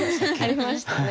ありましたね。